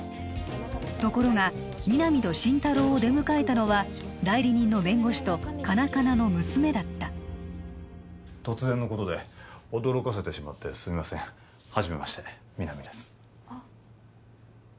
ところが皆実と心太朗を出迎えたのは代理人の弁護士とカナカナの娘だった突然のことで驚かせてしまってすみませんはじめまして皆実ですあっ